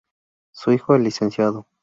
Su hijo el Lic.